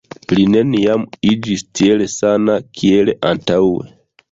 Li neniam iĝis tiel sana kiel antaŭe.